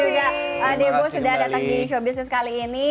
terima kasih juga debo sudah datang di showbiznya kali ini